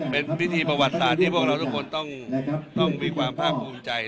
เป็นพิธีประวัติศาสตร์ที่พวกเราทุกคนต้องมีความภาคภูมิใจ